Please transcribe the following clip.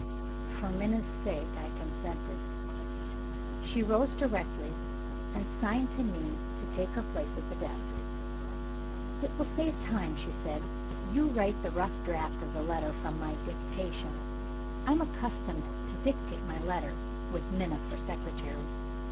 For Minna's sake, I consented. She rose directly, and signed to me to take her place at the desk. "It will save time," she said, "if you write the rough draft of the letter from my dictation. I am accustomed to dictate my letters, with Minna for secretary.